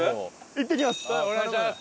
行ってきます。